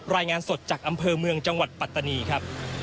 รายงานสดจากอำเภอเมืองจังหวัดปัตตานีครับ